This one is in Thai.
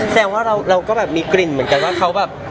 ว่าเราก็แบบมีกลิ่นเหมือนกันว่าเขาแบบ